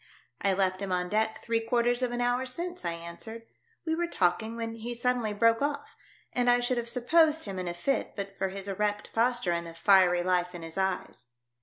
" I left him on deck three quarters of an hour since," I answered. "We were talking when he suddenly broke off, and I should have supposed him in a fit but for his erect posture and the fiery life in his eyes."